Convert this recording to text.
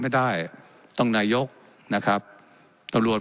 และยังเป็นประธานกรรมการอีก